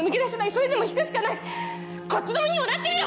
それでも弾くしかないこっちの身にもなってみろ！